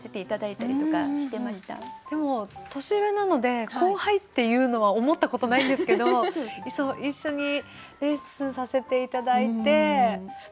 でも年上なので後輩っていうのは思ったことないんですけど一緒にレッスンさせて頂いて。